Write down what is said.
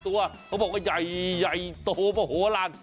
ตัวที่ใหม่เขาบอกใหญ่ตัวแล้วว่ายัย